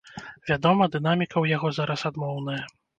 Вядома, дынаміка ў яго зараз адмоўная.